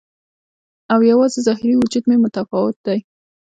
او یوازې ظاهري وجود مې متفاوت دی